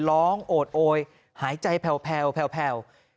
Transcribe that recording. ร้องโอดโอยหายใจแผลว